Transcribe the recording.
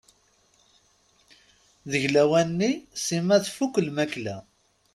Deg lawan-nni Sima tfuk lmakla.